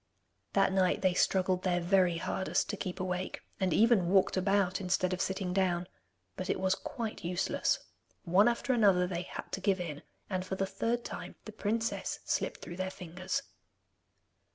That night they struggled their very hardest to keep awake, and even walked about instead of sitting down. But it was quite useless. One after another they had to give in, and for the third time the princess slipped through their fingers.